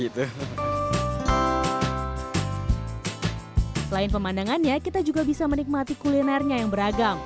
selain pemandangannya kita juga bisa menikmati kulinernya yang beragam